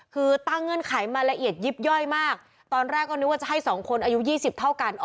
คือตั้งเงื่อนไขมาละเอียดยิบย่อยมากตอนแรกก็นึกว่าจะให้๒คนอายุ๒๐เท่ากัน